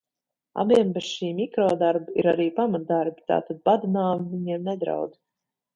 Abiem bez šī mikrodarba ir arī pamatdarbi, tātad bada nāve viņiem nedraud.